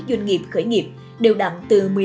doanh nghiệp khởi nghiệp đều đặn từ